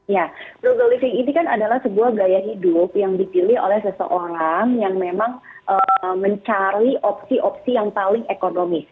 ya brugal living ini kan adalah sebuah gaya hidup yang dipilih oleh seseorang yang memang mencari opsi opsi yang paling ekonomis